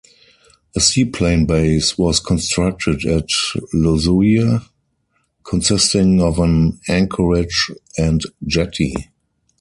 A seaplane base was constructed at Losuia, consisting of an anchorage and jetty.